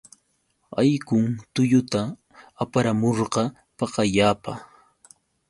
Allqun tullata aparamurqa pakallapa.